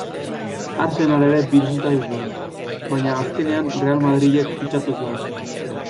Arsenal ere bisitatu zuen, baina azkenean Real Madrilek fitxatu zuen.